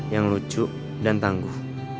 yang lucu dan tangguh